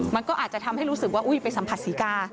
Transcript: มันก็อาจจะทำให้รู้สึกว่าอุ๊ยไปสัมผัสศรีกา